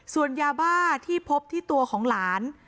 ส่วนยาบ้าที่พบที่ตัวของหลาน